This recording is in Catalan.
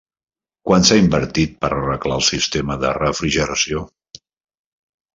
Quan s'ha invertit per arreglar el sistema de refrigeració?